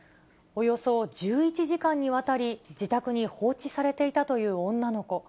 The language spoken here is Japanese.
およそ１１時間にわたり、自宅に放置されていたという女の子。